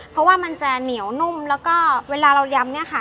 เพราะว่ามันจะเหนียวนุ่มแล้วก็เวลาเรายำเนี่ยค่ะ